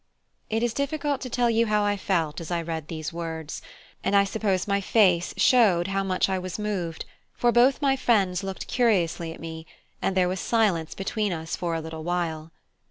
It is difficult to tell you how I felt as I read these words, and I suppose my face showed how much I was moved, for both my friends looked curiously at me, and there was silence between us for a little while.